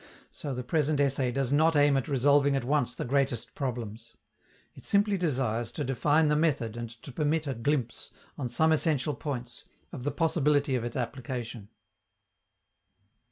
So the present essay does not aim at resolving at once the greatest problems. It simply desires to define the method and to permit a glimpse, on some essential points, of the possibility of its application.